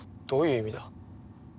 どういう意味だ？